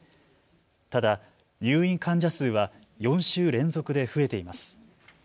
ただ入院患者数は４週連続で増えています。